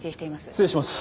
失礼します。